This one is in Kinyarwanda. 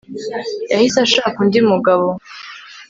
yahise ashaka undi mugabo